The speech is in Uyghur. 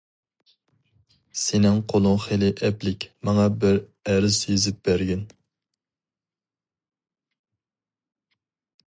سېنىڭ قولۇڭ خېلى ئەپلىك، ماڭا بىر ئەرز يېزىپ بەرگىن.